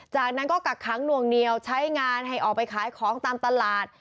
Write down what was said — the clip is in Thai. จากนั้นก็กักขังหน่วงเหนียวใช้งานให้ออกไปขายของตามตลาด